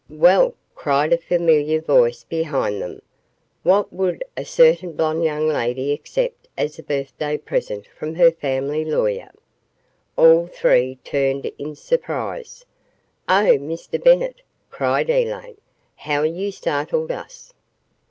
"Well," cried a familiar voice behind them. "What would a certain blonde young lady accept as a birthday present from her family lawyer?" All three turned in surprise. "Oh, Mr. Bennett," cried Elaine. "How you startled us!"